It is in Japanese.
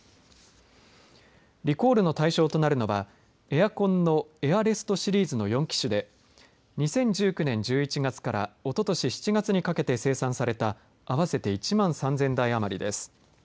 リコールの対象となるのはエアコンのＡｉｒｅｓｔシリーズの４機種で２０１９年１１月からおととし７月にかけて生産された合わせて１万３０００台余りです。